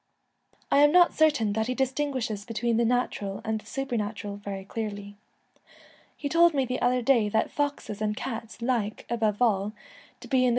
I am not certain that he distinguishes between the natural and supernatural very clearly. He told me the other day that 102 foxes and cats like, above all, to be in the Enchanted Woods.